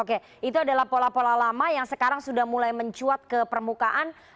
oke itu adalah pola pola lama yang sekarang sudah mulai mencuat ke permukaan